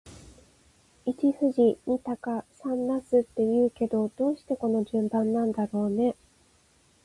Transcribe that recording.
一富士、二鷹、三茄子って言うけど、どうしてこの順番なんだろうね。